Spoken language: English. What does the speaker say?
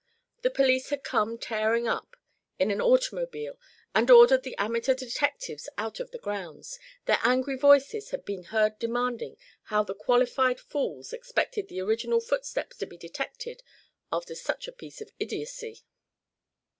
The police had come tearing up in an automobile and ordered the amateur detectives out of the grounds; their angry voices had been heard demanding how the qualified fools expected the original footsteps to be detected after such a piece of idiocy.